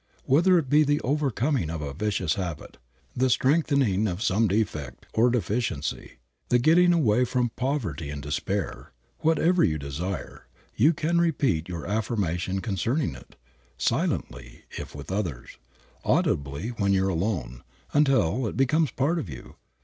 Whether it be the overcoming of a vicious habit, the strengthening of some defect or deficiency, the getting away from poverty and despair, whatever you desire, you can repeat your affirmation concerning it, silently, if with others, audibly when you are alone, until it becomes a part of you.